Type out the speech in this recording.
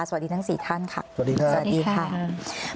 สวัสดีทั้ง๔ท่านค่ะสวัสดีค่ะ